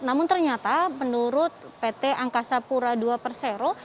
namun ternyata menurut pt angkasa pura ii persero